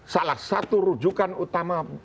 salah satu rujukan utama